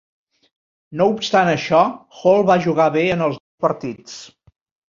No obstant això, Hall va jugar bé en els dos partits.